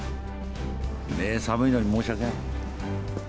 寒いのに申し訳ない。